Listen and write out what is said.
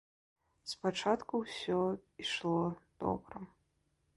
Спачатку ўсё ішло добра.